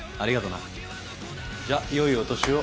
じゃよいお年を。